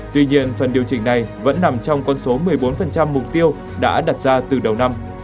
tuy nhiên phần điều chỉnh này vẫn nằm trong con số một mươi bốn mục tiêu đã đặt ra từ đầu năm